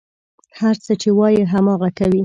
هر څه چې وايي، هماغه کوي.